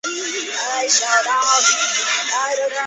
而节目由司徒乃钟题笔。